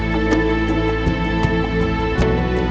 putih anak ayam